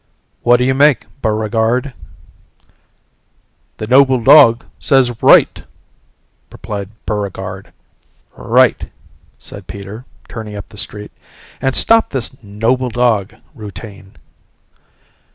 "What do you make, Buregarde?" "The noble dog says right," replied Buregarde. "Right," said Peter turning up the street. "And stop this 'Noble dog' routine."